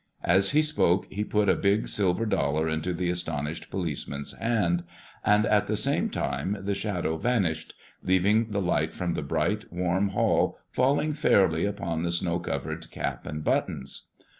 As he spoke, he put a big silver dollar into the astonished policeman's hand, and at the same time the Shadow vanished, leaving the light from the bright, warm hall falling fairly upon the snow covered cap and buttons.